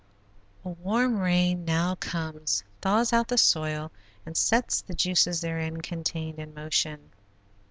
A warm rain now comes, thaws out the soil, and sets the juices therein contained in motion.